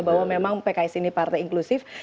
bahwa memang pks ini partai inklusif